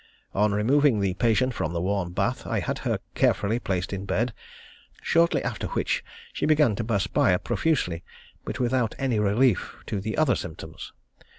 On removing the patient from the warm bath, I had her carefully placed in bed, shortly after which she began to perspire profusely, but without any relief to the other symptoms....